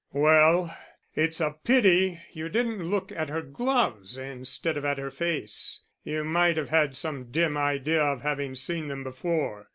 "Well, it's a pity you didn't look at her gloves instead of at her face. You might have had some dim idea of having seen them before.